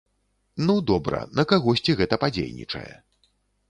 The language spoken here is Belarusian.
Ну добра, на кагосьці гэта падзейнічае.